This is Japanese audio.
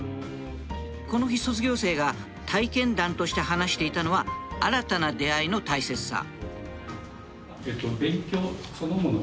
この日卒業生が体験談として話していたのは新たな出会いの大切さ